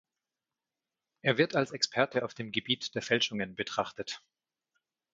Er wird als Experte auf dem Gebiet der Fälschungen betrachtet.